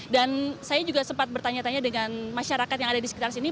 dan saya juga sempat bertanya tanya dengan masyarakat yang ada di sekitar sini